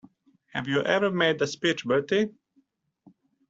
Have you ever made a speech, Bertie?